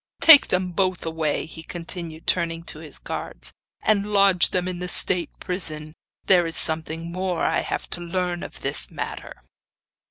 Take them both away,' he continued, turning to his guards, 'and lodge them in the state prison. There is something more I have to learn of this matter.